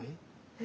え？